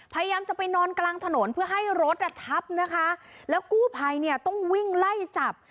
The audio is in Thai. พยายามจะไปนอนกลางถนนเพื่อให้รถอ่ะทับนะคะแล้วกู้ภัยเนี่ยต้องวิ่งไล่จับ